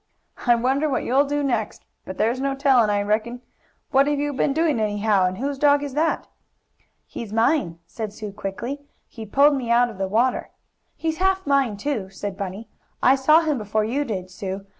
"I wonder what you'll do next? But there's no telling, I reckon. What have you been doing, anyhow, and whose dog is that?" "He's mine," said Sue quickly. "He pulled me out of the water." "He's half mine, too," said Bunny. "I saw him before you did, Sue.